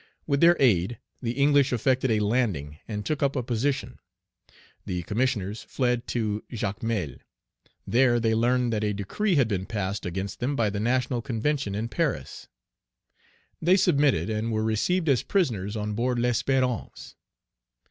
With their aid, the English effected a landing and took up a position. The Commissioners fled to Jacmel. There they learned that a decree had been passed against them by the National Convention in Paris. They submitted, and were received as prisoners on board L'Espérance.